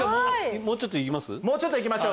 もうちょっといきます？